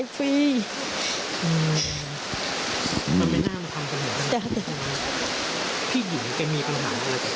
พี่หญิงแกมีปัญหาอะไรกับ